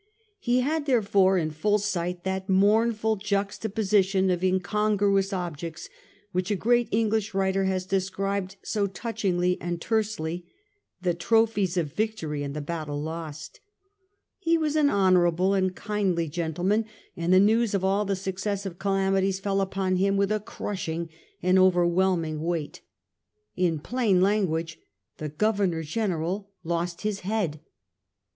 He had therefore in full sight that mournful juxtaposition of incongruous objects which a great English writer has described so touchingly and tersely — the tropHes of victory and the battle lost. He was an honourable, kindly gentleman, and the news of all the successive calamities fell upon Mm with a crushing, an over whelming weight. In plain language, the Grovemor General lost Ms head.